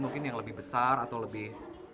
mungkin yang lebih besar atau lebih